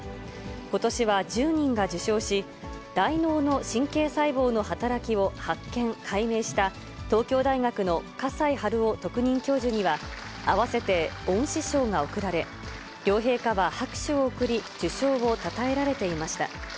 ことしは１０人が受賞し、大脳の神経細胞の働きを発見・解明した、東京大学の河西春郎特任教授には、併せて恩賜賞が贈られ、両陛下は拍手を送り、受賞をたたえられていました。